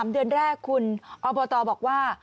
๓เดือนแรกคุณอบตบอกว่า